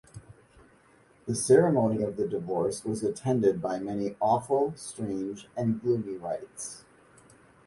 The ceremony of the divorce was attended by many awful, strange, and gloomy rites.